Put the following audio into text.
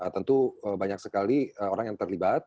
tentu banyak sekali orang yang terlibat